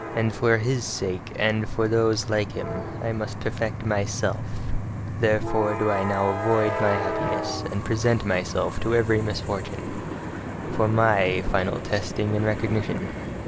And for his sake and for those like him, must I perfect MYSELF: therefore do I now avoid my happiness, and present myself to every misfortune for MY final testing and recognition.